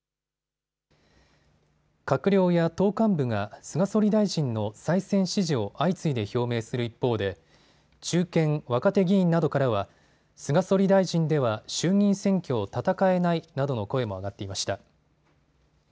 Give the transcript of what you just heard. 閣僚や党幹部が菅総理大臣の再選支持を相次いで表明する一方で、中堅若手議員などからは菅総理大臣では衆議院選挙を戦えないなどの声も上がっていました。